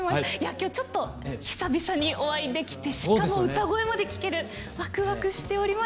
今日はちょっと久々にお会いできてしかも歌声まで聴けるわくわくしております。